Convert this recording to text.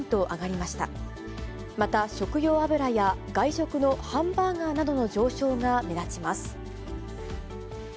また食用油や外食のハンバーガーなどの上昇が目立ちます。